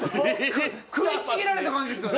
食いちぎられた感じですよね。